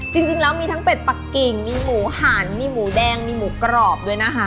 จริงแล้วมีทั้งเป็ดปักกิ่งมีหมูหันมีหมูแดงมีหมูกรอบด้วยนะคะ